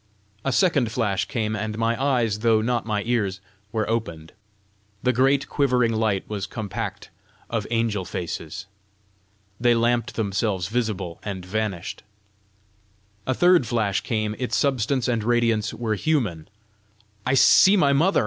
A second flash came, and my eyes, though not my ears, were opened. The great quivering light was compact of angel faces. They lamped themselves visible, and vanished. A third flash came; its substance and radiance were human. "I see my mother!"